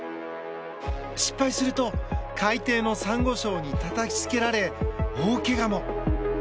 失敗すると海底のサンゴ礁にたたきつけられ、大けがも。